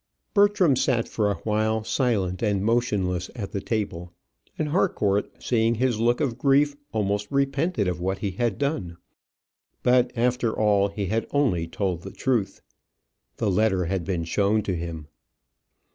Bertram sat for awhile silent and motionless at the table, and Harcourt seeing his look of grief, almost repented what he had done. But, after all, he had only told the truth. The letter had been shown to him.